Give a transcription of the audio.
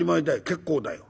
結構だよ。